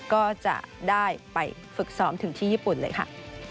ก็จะได้ไปฝึกซ้อมถึงที่ญี่ปุ่นเลยค่ะ